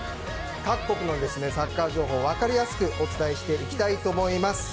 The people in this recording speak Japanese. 各国のサッカー情報を分かりやすくお伝えしていきたいと思います。